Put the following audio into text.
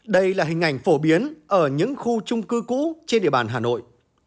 đây là hình ảnh phổ biến ở những khu trung cư cũ trên địa bàn hà nội